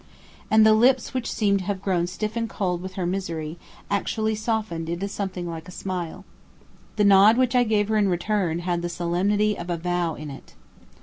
And the lips which seemed to have grown stiff and cold with her misery, actually softened into something like a smile. The nod which I gave her in return had the solemnity of a vow in it.